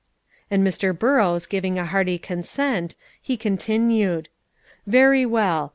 And Mr. Burrows giving a hearty consent, he continued, "Very well.